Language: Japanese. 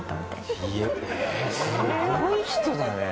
すごい人だね。